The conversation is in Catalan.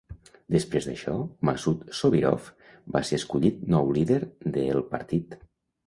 Després d'això, Masud Sobirov va ser escollit nou líder de el partit.